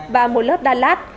và một lớp đa lát